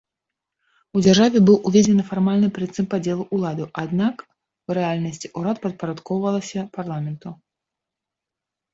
У дзяржаве быў уведзены фармальны прынцып падзелу ўладаў, аднак у рэальнасці ўрад падпарадкоўвалася парламенту.